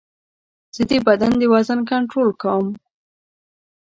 زه د بدن د وزن کنټرول کوم.